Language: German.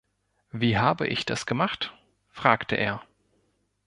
"Wie habe ich das gemacht?", fragte er.